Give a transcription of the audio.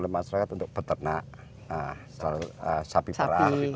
masyarakat untuk peternak sapi perah